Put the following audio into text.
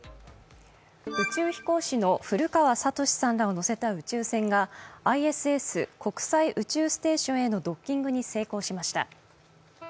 宇宙飛行士の古川聡さんらを乗せた宇宙船がＩＳＳ＝国際宇宙ステーションへのドッキングに成功しました。